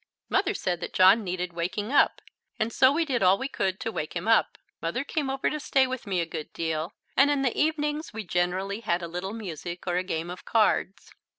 Mother said that John needed waking up, and so we did all we could to wake him up. Mother came over to stay with me a good deal, and in the evenings we generally had a little music or a game of cards.